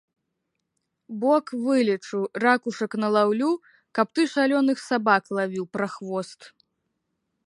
Бок вылечу, ракушак налаўлю, каб ты шалёных сабак лавіў, прахвост.